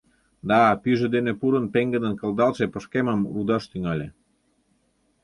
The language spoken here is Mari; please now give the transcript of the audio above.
— Да, пӱйжӧ дене пурын, пеҥгыдын кылдалтше пышкемым рудаш тӱҥале.